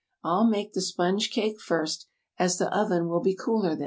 I'll make the sponge cake first, as the oven will be cooler then."